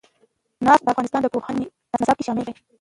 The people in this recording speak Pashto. نفت د افغانستان د پوهنې نصاب کې شامل دي.